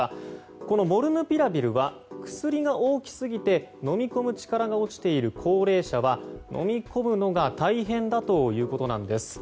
このモルヌピラビルは薬が大きすぎて飲み込む力が落ちている高齢者は飲み込むのが大変だということなんです。